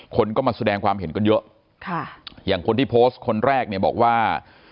คนก็มาแสดงความเห็นกันเยอะค่ะอย่างคนที่โพสต์คนแรกเนี่ยบอกว่า